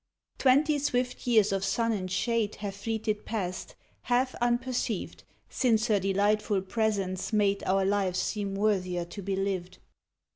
Twenty swift years of sun and shade Have fleeted past, half unperceived, Since her delightful presence made Our lives seem worthier to be lived.